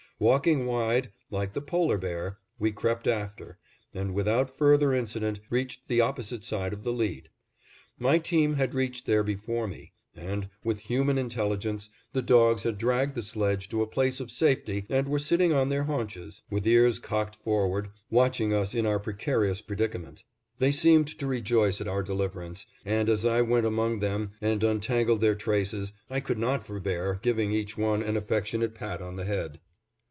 Walking wide, like the polar bear, we crept after, and without further incident reached the opposite side of the lead. My team had reached there before me and, with human intelligence, the dogs had dragged the sledge to a place of safety and were sitting on their haunches, with ears cocked forward, watching us in our precarious predicament. They seemed to rejoice at our deliverance, and as I went among them and untangled their traces I could not forbear giving each one an affectionate pat on the head.